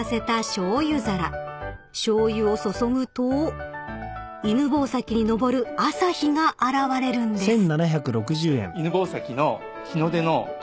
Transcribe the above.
［しょうゆを注ぐと犬吠埼に昇る朝日が現れるんです］